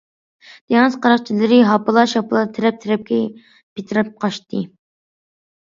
دېڭىز قاراقچىلىرى ھاپىلا- شاپىلا تەرەپ- تەرەپكە پىتىراپ قاچتى.